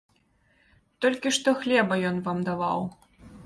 Толькі што хлеба ён вам даваў.